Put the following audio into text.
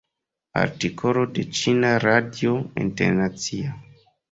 Artikolo de Ĉina Radio Internacia.